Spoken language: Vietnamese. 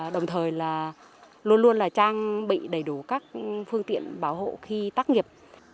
đồng thời là luôn luôn là trang bị đầy đủ các phương tiện bảo hộ khi tác nghiệp